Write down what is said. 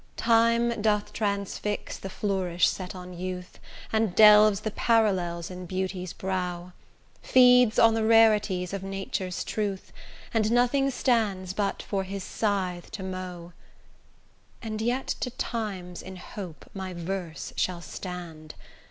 Time doth transfix the flourish set on youth And delves the parallels in beauty's brow, Feeds on the rarities of nature's truth, And nothing stands but for his scythe to mow: And yet to times in hope, my verse shall stand.